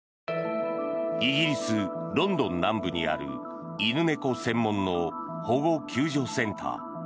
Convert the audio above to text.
イギリス・ロンドン南部にある犬猫専門の保護救助センター。